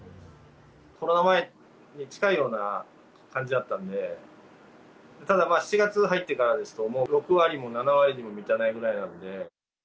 コロナ前に近いような感じだったんで、ただまあ、７月に入ってからですと、もう６割も７割にも満たないぐらいなんで。